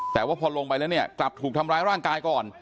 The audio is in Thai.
แต่ว่าพอลงไปแล้วเนี่ยกลับถูกทำร้ายร่างกายก่อน